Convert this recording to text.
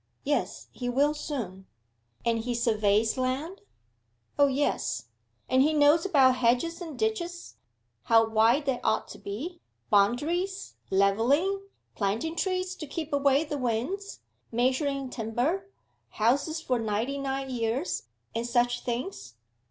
'Yes; he will soon.' 'And he surveys land?' 'O yes.' 'And he knows about hedges and ditches how wide they ought to be, boundaries, levelling, planting trees to keep away the winds, measuring timber, houses for ninety nine years, and such things?